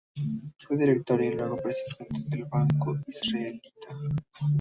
Fue director y luego presidente del Banco Israelita.